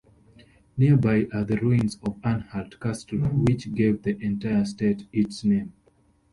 Nearby are the ruins of Anhalt Castle which gave the entire state its name.